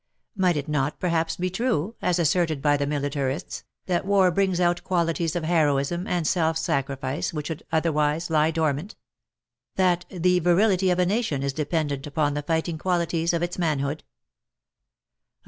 Might it not perhaps be true, as asserted by the militarists, that "war brings out qualities of heroism and self sacrifice which would otherwise He dormant"? — that "the virility of a nation is dependent upon the fight ing qualities of Its manhood "?